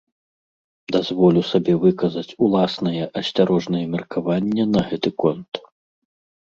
Дазволю сабе выказаць уласнае асцярожнае меркаванне на гэты конт.